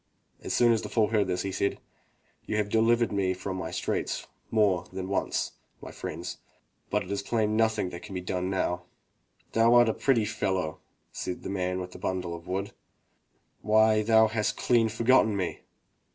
As soon as the fool heard this, he said: "You have delivered me from my straits more than once, my friends, but it is plain that nothing can be done now." "Thou art a pretty fellow," said the man with the bimdle of wood. "Why, thou hast clean forgotten me!"